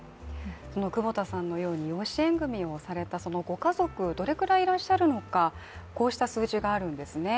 久保田さんのように養子縁組をされたご家族どれくらいいらっしゃるのか、こうした数字があるんですね。